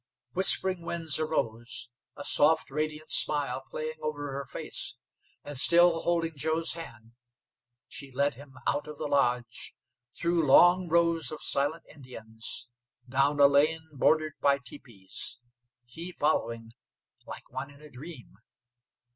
Whispering Winds arose, a soft, radiant smile playing over her face, and, still holding Joe's hand, she led him out of the lodge, through long rows of silent Indians, down a land bordered by teepees, he following like one in a dream.